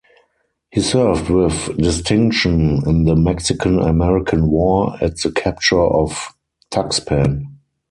He served with distinction in the Mexican-American War at the capture of Tuxpan.